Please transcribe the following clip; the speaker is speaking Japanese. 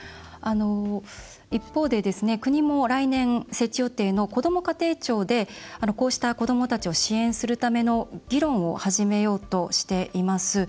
一方で、国も来年設置予定のこども家庭庁でこうした、子どもたちを支援するための議論を始めようとしています。